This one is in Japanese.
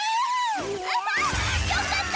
よかった！